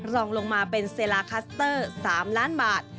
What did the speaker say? รองลงมาเป็นเซลาคัสเตอร์๓ล้านบาท